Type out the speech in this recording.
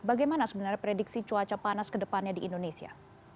bagaimana sebenarnya prediksi cuaca panas ke depannya di indonesia